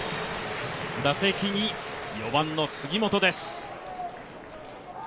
打席に４番の杉本です。